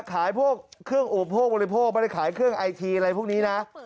ขายพวกเครื่องอุปโภคบริโภคไม่ได้ขายเครื่องไอทีอะไรพวกนี้นะ